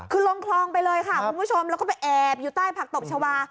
คือลงคลองไปเลยค่ะคุณผู้ชมแล้วก็ไปแอบอยู่ใต้ผักตบชาวา